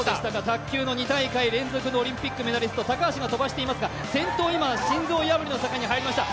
卓球の２大会連続のオリンピックメダリスト、高橋が飛ばしていますが、先頭が今、心臓破りの坂に入りました。